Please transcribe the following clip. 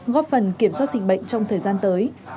góp phần kiểm soát dịch bệnh trong thời gian tới